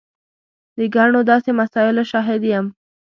د ګڼو داسې مسایلو شاهد یم.